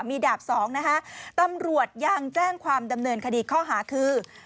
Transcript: มีดาบสองนะคะตำรวจยังแจ้งความดำเนินคดีข้อหาคือ